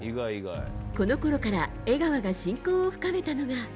このころから江川が親交を深めたのが。